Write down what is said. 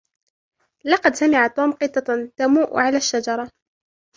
لقد سَمِعَ توم قِطة تَمؤ على الشجرة.